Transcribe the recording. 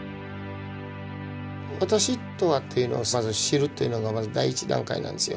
「私とは」っていうのをまず知るっていうのがまず第一段階なんですよ。